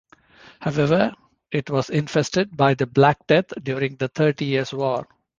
However, it was infested by the Black Death during the Thirty Years' War.